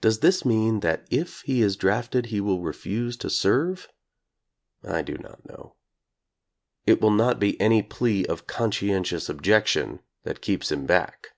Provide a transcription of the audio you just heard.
Does this mean that if he is drafted he will refuse to serve? I do not know. It will not be any plea of "conscientious objection" that keeps him back.